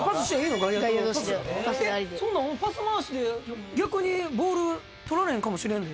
えっそんなんパス回しで逆にボール捕られへんかもしれんで？